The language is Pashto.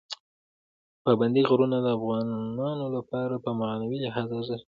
پابندي غرونه د افغانانو لپاره په معنوي لحاظ ارزښت لري.